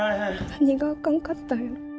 何があかんかったんやろ。